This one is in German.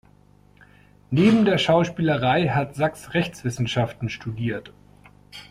Neben der Schauspielerei hat Sachs Rechtswissenschaften studiert.